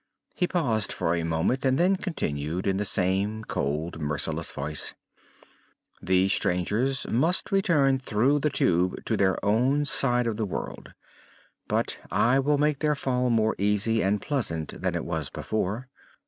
He paused a moment and then continued in the same cold, merciless voice: "These strangers must return through the Tube to their own side of the world; but I will make their fall more easy and pleasant than it was before.